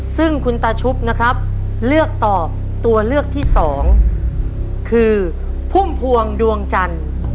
ซึ่งคุณตาชุบนะครับเลือกตอบตัวเลือกที่สองคือพุ่มพวงดวงจันทร์